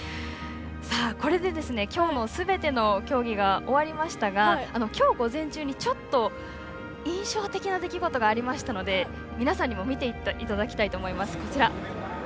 これで、きょうのすべての競技が終わりましたがきょう、午前中にちょっと印象的な出来事がありましたので皆さんにも見ていただきたいと思います。